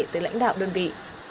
tới lãnh đạo đơn vị